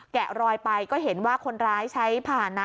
แกะรอยไปก็เห็นว่าคนร้ายใช้ผ่านนะ